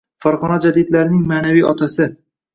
Farg‘ona jadidlarining ma’naviy otasing